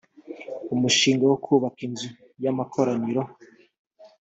umushinga wo kubaka inzu y amakoraniro